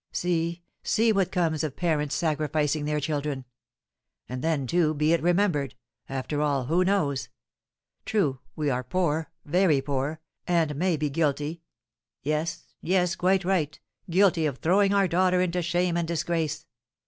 See, see what comes of parents sacrificing their children. And, then, too, be it remembered after all who knows? True, we are poor very poor, and may be guilty yes, yes, quite right, guilty of throwing our daughter into shame and disgrace.